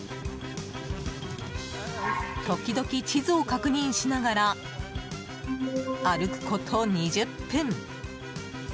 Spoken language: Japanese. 時々、地図を確認しながら歩くこと２０分。